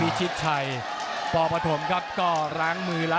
นรินทร์ธรรมีรันดร์อำนาจสายฉลาด